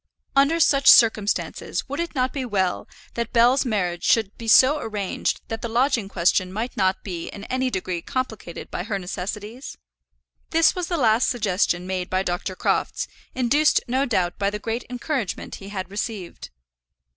Under such circumstances would it not be well that Bell's marriage should be so arranged that the lodging question might not be in any degree complicated by her necessities? This was the last suggestion made by Dr. Crofts, induced no doubt by the great encouragement he had received.